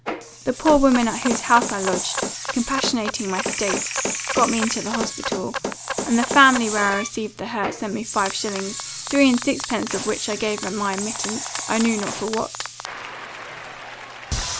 The poor woman at whose house I lodged, compassionating my state, got me into the hospital; and the family where I received the hurt, sent me five shillings, three and six pence of which I gave at my admittance I know not for what.